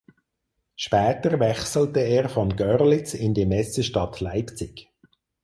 Später wechselte er von Görlitz in die Messestadt Leipzig.